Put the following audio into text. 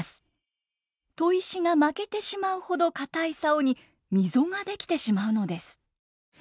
砥石が負けてしまうほど硬い棹に溝が出来てしまうのです。